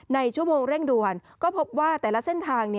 ในช่วงเร่งด่วนก็พบว่าแต่ละเส้นทาง